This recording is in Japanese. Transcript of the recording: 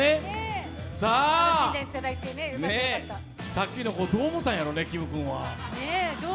さっきの、どう思ったんだろうね、キム君は。